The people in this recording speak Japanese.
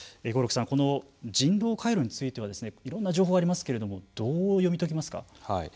合六さんこの人道回路についてはいろんな情報がありますけれどもどう読み解きますか。